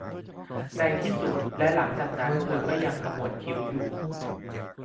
ในที่สุดและหลังจากนั้นเธอก็ยังขมวดคิ้วอยู่